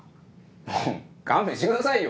もう勘弁してくださいよ。